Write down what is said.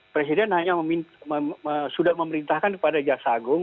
presiden hanya sudah memerintahkan kepada jaksa agung